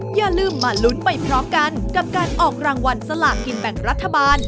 อย่าลืมมาลุ้นไปพร้อมกันกับการออกรางวัลสลากกินแบ่งรัฐบาล